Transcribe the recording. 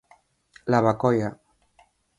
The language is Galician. Lavacolla.